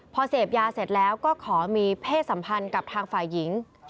พอเสพยาเสร็จแล้วก็ขอมีเพศสัมพันธ์กับทางฝ่ายหญิง